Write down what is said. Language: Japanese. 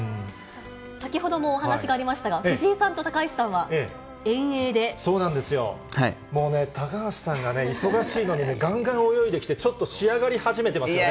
先ほどもお話がありましたが、もうね、高橋さんが忙しいのに、がんがん泳いできて、ちょっと仕上がり始めてますよね。